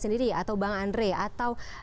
sendiri atau bang andre atau